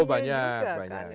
oh banyak banyak